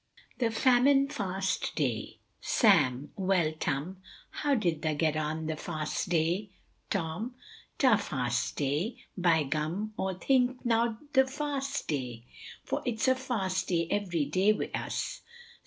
THE FAMINE FAST DAY. Sam Well Tum, how did tha get on oth' Fast day. Tom Ta' Fas day! bye gum awe think nowt oth' fast day, for its a fast day every day wi' us.